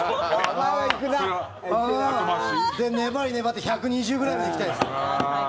後回し？で、粘りに粘って１２０くらいまで生きたいです。